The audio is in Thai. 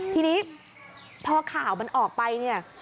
ทีนี้พอข่าวมันออกไป